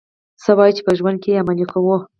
څه چي وايې په ژوند کښي ئې عملي کوه.